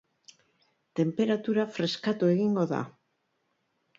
Tenperatura freskatu egingo da.